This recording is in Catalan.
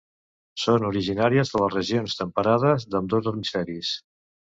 Són originàries de les regions temperades d'ambdós hemisferis.